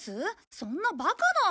そんなバカな。